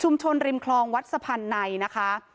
ชุมชนแฟลต๓๐๐๐๐คนพบเชื้อ๓๐๐๐๐คนพบเชื้อ๓๐๐๐๐คน